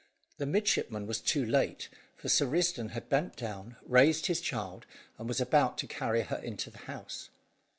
The midshipman was too late, for Sir Risdon had bent down, raised his child, and was about to carry her into the house.